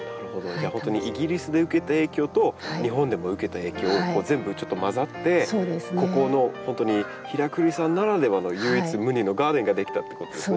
じゃあ本当にイギリスで受けた影響と日本でも受けた影響全部ちょっと混ざってここの本当に平栗さんならではの唯一無二のガーデンが出来たってことですね。